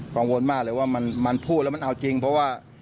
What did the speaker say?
กังวลมากเลยว่ามันพูดแล้วมันเอาจริงเพราะว่า